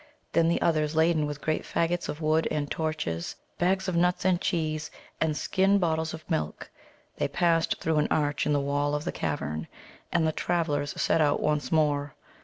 Then, the others laden with great faggots of wood and torches, bags of nuts and cheese, and skin bottles of milk, they passed through an arch in the wall of the cavern, and the travellers set out once more.